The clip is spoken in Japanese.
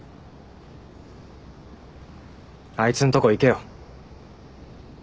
あいつんとこ行けよ。